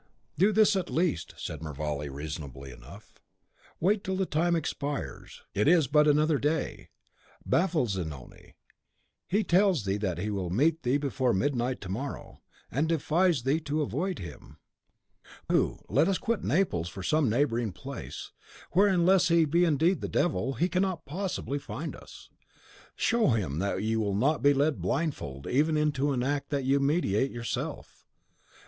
"Do this at least," said Mervale, reasonably enough, "wait till the time expires; it is but another day. Baffle Zanoni. He tells thee that he will meet thee before midnight to morrow, and defies thee to avoid him. Pooh! let us quit Naples for some neighbouring place, where, unless he be indeed the Devil, he cannot possibly find us. Show him that you will not be led blindfold even into an act that you meditate yourself.